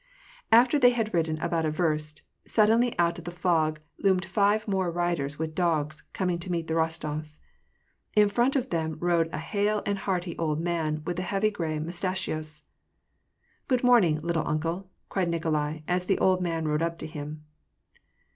After they had ridden about a verst, suddenly out of the fog loomed five more riders with dogs, coming to meet the Bostofs. In front of them rode a hale and hearty old man, with heavy gray mustachios. '< (rood morniug, < little uncle,' "* cried Nikolai, as the old man rode up to him.